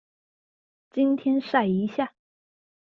今天曬一下